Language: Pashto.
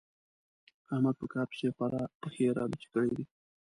احمد په کار پسې خورا پښې رالوڅې کړې دي.